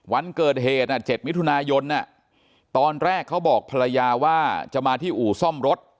วันเกิดเหตุ๗มิถุนายนตอนแรกเขาบอกภรรยาว่าจะมาที่อู่ซ่อมรถ